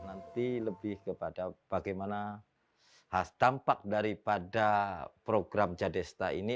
nanti lebih kepada bagaimana dampak daripada program jadesta ini